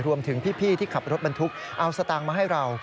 รวมถึงพี่ที่ขับรถบรรทุกเอาสตางค์มาให้เรา